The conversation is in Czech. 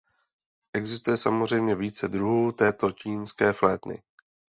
Existuje samozřejmě více druhů této čínské flétny.